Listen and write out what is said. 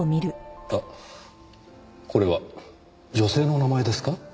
あっこれは女性のお名前ですか？